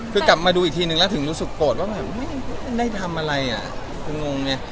คือกลับมาดูอีกทีนึงแล้วถึงรู้สึกโกรธว่าแบบไม่ได้ทำอะไรอ่ะคงงไง